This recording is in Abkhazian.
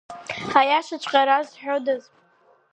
Аиашаҵәҟьа разҳәодаз!